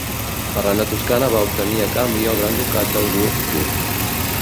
Ferran de Toscana va obtenir a canvi el Gran Ducat de Würzburg.